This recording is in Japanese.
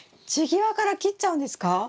地際から切っちゃうんですか？